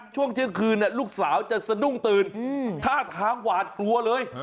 ช่วงเที่ยงคืนลูกสาวจะสะดุ้งตื่นท่าทางหวาดกลัวเลย